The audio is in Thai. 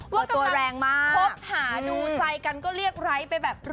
คบขาดูใจกันก็เรียกไลต์ไปแบบ